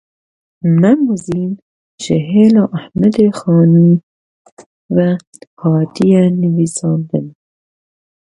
Mem û Zîn ji hêla Ehmedê Xanê ve hatiye nivîsandin e